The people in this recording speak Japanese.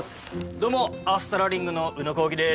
どうもアストラリングの卯野紘希です。